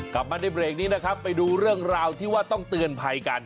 กลับมาในเบรกนี้นะครับไปดูเรื่องราวที่ว่าต้องเตือนภัยกัน